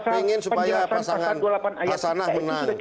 pengen supaya pasangan hasanah menang